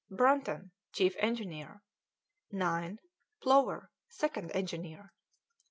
Brunton, chief engineer; 9. Plover, second engineer; 10.